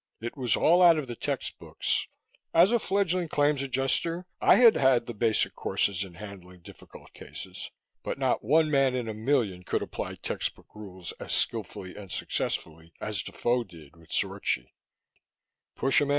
It was all out of the textbooks as a fledgling Claims Adjuster, I had had the basic courses in handling difficult cases but not one man in a million could apply textbook rules as skillfully and successfully as Defoe did with Zorchi.